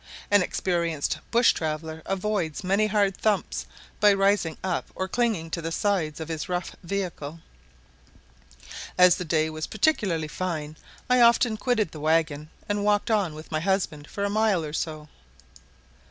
An experienced bush traveller avoids many hard thumps by rising up or clinging to the sides of his rough vehicle. As the day was particularly fine, I often quitted the waggon and walked on with my husband for a mile or so.